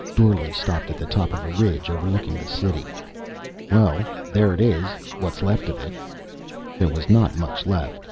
Dorle stopped at the top of a ridge overlooking the city. "Well, there it is. What's left of it." There was not much left.